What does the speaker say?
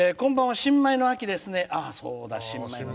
新米の秋ですね。